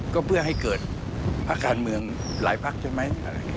ก็เพื่อให้เกิดพักการเมืองหลายพักใช่ไหม